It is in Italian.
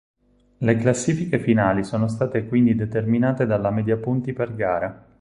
Le classifiche finali sono state quindi determinate dalla media punti per gara.